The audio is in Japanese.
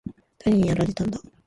誰にやられたんだ？